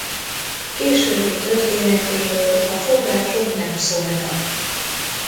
Későbbi történetéről a források nem szólnak.